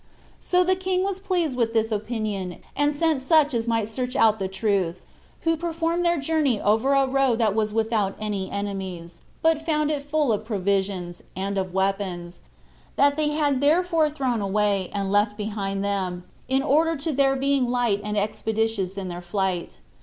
So the king was pleased with this opinion, and sent such as might search out the truth, who performed their journey over a road that was without any enemies, but found it full of provisions, and of weapons, that they had therefore thrown away, and left behind them, in order to their being light and expeditious in their flight.